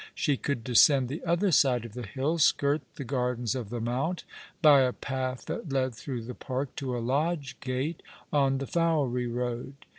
She could descend the other side of the hill, skirt the gardens of the Mount, by a path that led through the Park to a lodge gate on the Fowey road.